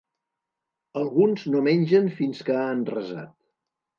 Alguns no mengen fins que han resat.